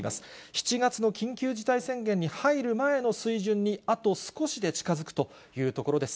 ７月の緊急事態宣言に入る前の水準にあと少しで近づくというところです。